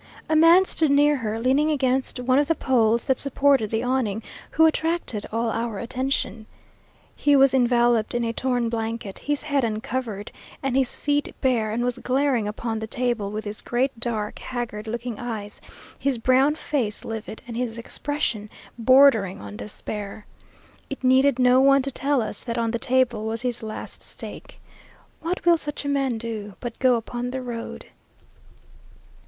A man stood near her, leaning against one of the poles that supported the awning, who attracted all our attention. He was enveloped in a torn blanket, his head uncovered, and his feet bare, and was glaring upon the table with his great dark, haggard looking eyes, his brown face livid, and his expression bordering on despair. It needed no one to tell us that on the table was his last stake. What will such a man do but go upon the road?